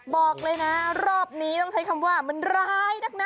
บอกเลยนะรอบนี้ต้องใช้คำว่ามันร้ายนักนะ